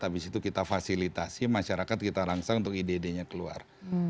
habis itu kita fasilitasi masyarakat kita rangsang untuk idd nya keluar